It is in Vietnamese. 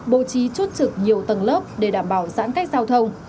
bố trí chốt trực nhiều tầng lớp để đảm bảo giãn cách giao thông